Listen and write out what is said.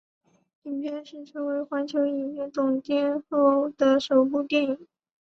影片是成为环球影业总监后的首部电影。